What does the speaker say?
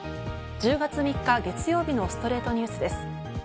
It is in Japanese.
１０月３日、月曜日の『ストレイトニュース』です。